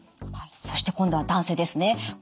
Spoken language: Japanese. そして今度は男性ですね。